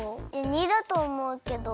②だとおもうけど。